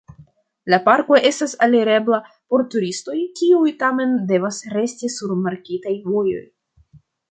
La parko estas alirebla por turistoj, kiuj tamen devas resti sur markitaj vojoj.